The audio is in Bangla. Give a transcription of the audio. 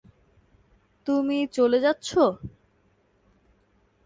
তুমি চলে যাচ্ছো?